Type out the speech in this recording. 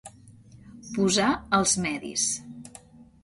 Posar els medis.